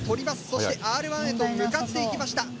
そしてＲ１へと向かっていきました。